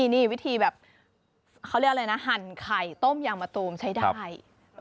นี่วิธีแบบเขาเรียกอะไรนะหั่นไข่ต้มยางมะตูมใช้ได้